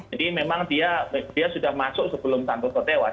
jadi memang dia sudah masuk sebelum santo sotewas